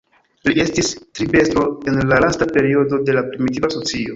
Li estis tribestro en la lasta periodo de la primitiva socio.